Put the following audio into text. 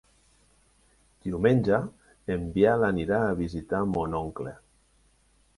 Diumenge en Biel irà a visitar mon oncle.